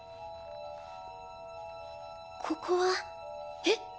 ここはえ？